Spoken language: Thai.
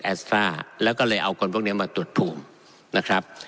สตราแล้วก็เลยเอาคนพวกนี้มาตรวจภูมินะครับ